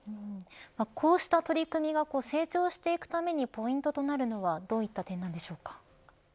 こうした取り組みが成長していくためにポイントとなるのはどういった点なんでしょうか。